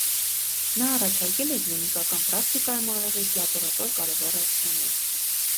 Նա առաջարկել է կլինիկական պրակտիկայում անհրաժեշտ լաբորատոր կարևոր ռեակցիաներ։